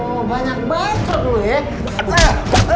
oh banyak banget loh ya